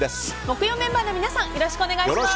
木曜メンバーの皆さんよろしくお願いします。